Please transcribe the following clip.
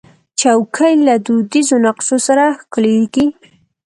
چوکۍ له دودیزو نقشو سره ښکليږي.